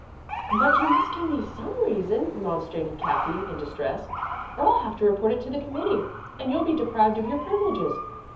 "But you must give me some reason," remonstrated Cathy, in distress, "or I'll have to report it to the committee and you'll be deprived of your privileges.